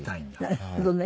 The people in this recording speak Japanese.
なるほどね。